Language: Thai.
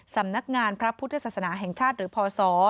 สำนักงานพระพุทธศาสนาแห่งชาติหรือพศ